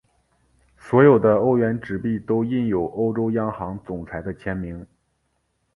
所有的欧元纸币都印有欧洲央行总裁的签名。